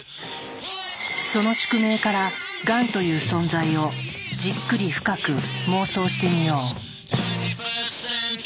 その宿命からがんという存在をじっくり深く妄想してみよう。